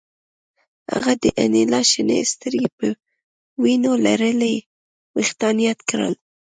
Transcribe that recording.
هغه د انیلا شنې سترګې او په وینو لړلي ویښتان یاد کړل